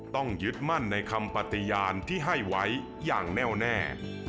ต้องยึดมั่นในคำปฏิญาณที่ให้ไว้อย่างแน่วแน่